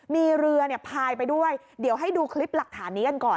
มีเรือพายไปด้วยเดี๋ยวให้ดูคลิปหลักฐานนี้กันก่อน